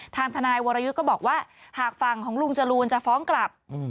ทางทนายวรยุทธ์ก็บอกว่าหากฝั่งของลุงจรูนจะฟ้องกลับ